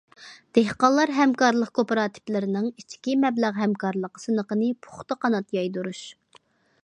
دېھقانلار ھەمكارلىق كوپىراتىپلىرىنىڭ ئىچكى مەبلەغ ھەمكارلىقى سىنىقىنى پۇختا قانات يايدۇرۇش.